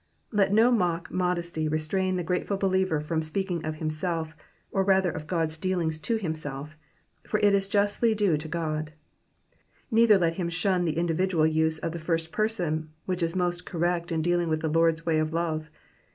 Let no mock modesty restrain the grateful believer from speaking of himself, or rather of God^s dealings to himself, for it is justly due to God ; neither let him shun the individual use of the first person, which is most correct in detailing the Lord's ^ays of love.